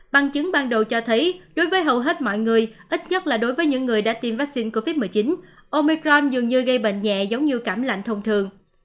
bằng chứng ban đầu cho thấy đối với hầu hết mọi người ít nhất là đối với những người đã tiêm vaccine covid một mươi chín omicron dường như gây bệnh nhẹ giống như cảm lạnh thông thường